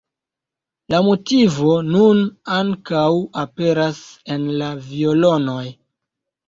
La motivo nun ankaŭ aperas en la violonoj.